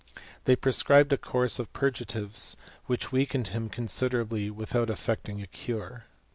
They prescribed a course of purgatives which weakened him considerably, without effecting a cure.